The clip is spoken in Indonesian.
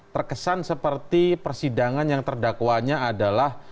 terkesan seperti persidangan yang terdakwanya adalah